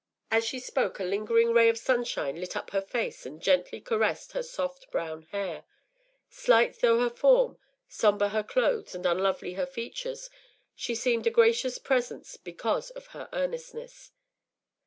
” As she spoke a lingering ray of sunshine lit up her face and gently caressed her soft brown hair; slight though her form, sombre her clothes, and unlovely her features, she seemed a gracious presence because of her earnestness.